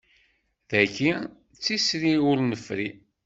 Tagi d tisri ur nefri.